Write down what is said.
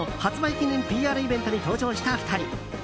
記念ＰＲイベントに登場した２人。